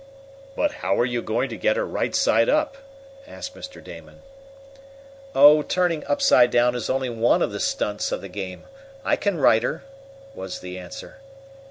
"But how are you going to get her right side up?" asked Mr. Damon. "Oh, turning upside down is only one of the stunts of the game. I can right her," was the answer.